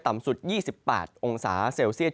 ต่ำสุด๒๘องศาเซลเซียต